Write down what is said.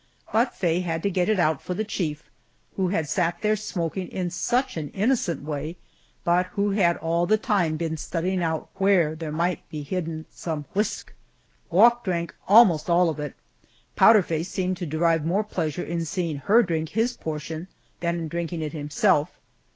But Faye had to get it out for the chief, who had sat there smoking in such an innocent way, but who had all the time been studying out where there might be hidden some "whisk!" Wauk drank almost all of it, Powder Face seeming to derive more pleasure in seeing her drink his portion than in drinking it himself.